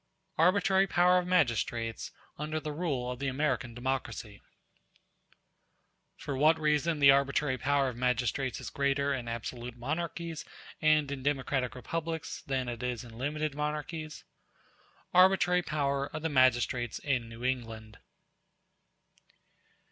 Arbitrary Power Of Magistrates Under The Rule Of The American Democracy For what reason the arbitrary power of Magistrates is greater in absolute monarchies and in democratic republics than it is in limited monarchies—Arbitrary power of the Magistrates in New England.